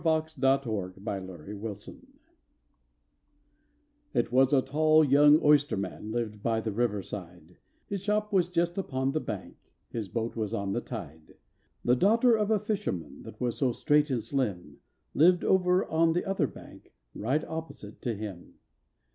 THE BALLAD OF THE OYSTERMAN IT was a tall young oysterman lived by the river side, His shop was just upon the bank, his boat was on the tide; The daughter of a fisherman, that was so straight and slim, Lived over on the other bank, right opposite to him.